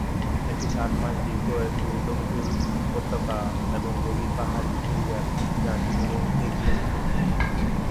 এটি ষাট মাইল দীর্ঘ একটি ঊর্ধ্বমুখী উপত্যকা এবং গভীর পাহাড়ী গিরিখাত, যা তৃণভূমিতে গিয়ে মিশেছে।